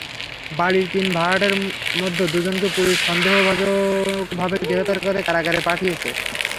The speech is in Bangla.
বাড়ির তিন ভাড়াটের মধ্যে দুজনকে পুলিশ সন্দেহজনকভাবে গ্রেপ্তার করে কারাগারে পাঠিয়েছে।